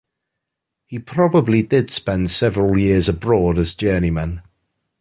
He probably did spend several years abroad as Journeyman.